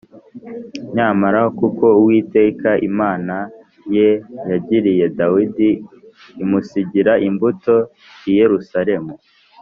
Nyamara kuko Uwiteka Imana ye yagiriye Dawidi imusigira imbuto i Yerusalemu